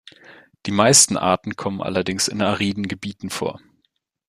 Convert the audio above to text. Die meisten Arten kommen allerdings in ariden Gebieten vor.